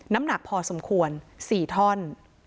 น้ำหนักพอสมควร๔ท่อน